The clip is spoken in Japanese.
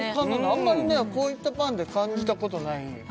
あんまりこういったパンで感じたことない